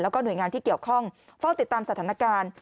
แล้วก็หน่วยงานที่เกี่ยวข้องเฝ้าติดตามสถานการณ์